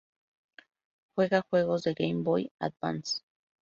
Juega juegos de Game Boy Advance.